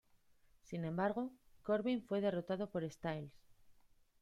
Sin embargo, Corbin fue derrotado por Styles.